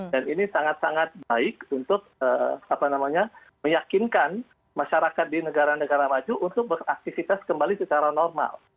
dan ini sangat sangat baik untuk meyakinkan masyarakat di negara negara maju untuk beraktifitas kembali secara normal